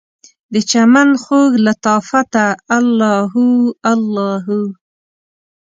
دچمن خوږ لطافته، الله هو الله هو